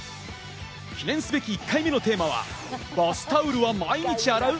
記念すべき１回目のテーマはバスタオルは毎日洗う？